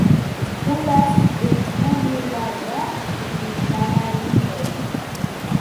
— Xullas, Dehqonqulova... manavinday!